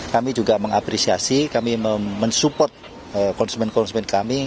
kami juga mengapresiasi kami mensupport konsumen konsumen kami